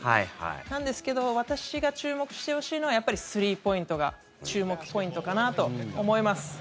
なんですけど私が注目してほしいのはやっぱりスリーポイントが注目ポイントかなと思います。